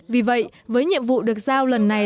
vì vậy với nhiệm vụ được giao lần này